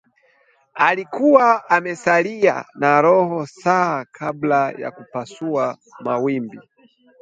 Alikuwa amesalia na robo saa kabla ya kupasua mawimbi